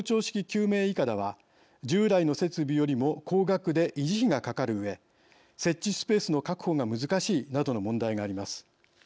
救命いかだは従来の設備よりも高額で維持費もかかるうえ設置スペースの確保が難しいなどの問題があります。